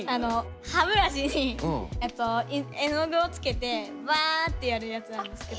歯ブラシに絵の具をつけてバってやるやつなんですけど。